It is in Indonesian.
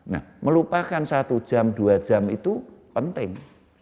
nah melupakan satu jam dua jam itu penting